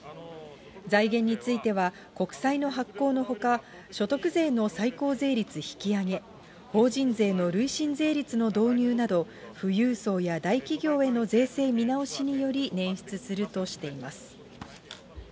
財源については、国債の発行のほか、所得税の最高税率引き上げ、法人税の累進税率の導入など、富裕層や大企業への税制見直しにより捻出するとしています。